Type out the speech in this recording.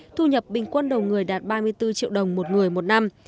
thu nhập bình quân đầu người đạt ba mươi bốn triệu đồng một người một năm